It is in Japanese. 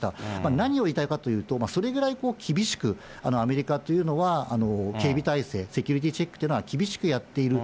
何を言いたいかというと、それくらい厳しく、アメリカというのは、警備態勢、セキュリティーチェックというのは厳しくやっている。